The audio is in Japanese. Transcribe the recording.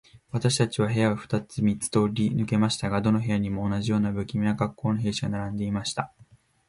私たちは部屋を二つ三つ通り抜けましたが、どの部屋にも、同じような無気味な恰好の兵士が並んでいました。